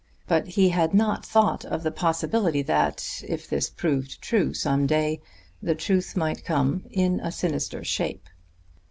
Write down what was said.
But he had not thought of the possibility that, if this proved true some day, the truth might come in a sinister shape.